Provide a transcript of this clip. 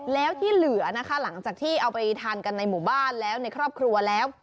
แล้วที่เหลือนะคะหลังจากที่เอาไปทานกันในหมู่บ้านแล้วในครอบครัวแล้ว